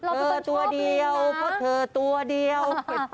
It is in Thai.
ตัวเดียวเพราะเธอตัวเดียว